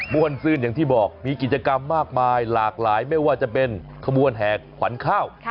วนซื่นอย่างที่บอกมีกิจกรรมมากมายหลากหลายไม่ว่าจะเป็นขบวนแห่ขวัญข้าว